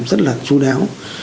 rất là chú đáo